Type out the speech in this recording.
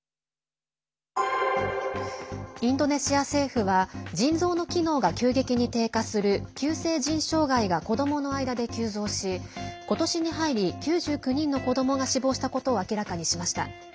インドネシア政府は腎臓の機能が急激に低下する急性腎障害が子どもの間で急増し今年に入り、９９人の子どもが死亡したことを明らかにしました。